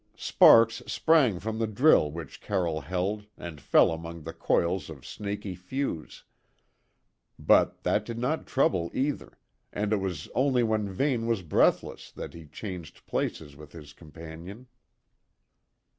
Sparks sprang from the drill which Carroll held and fell among the coils of snaky fuse; but that did not trouble either, and it was only when Vane was breathless that he changed places with his companion.